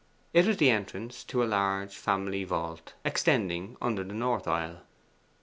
It was the entrance to a large family vault, extending under the north aisle.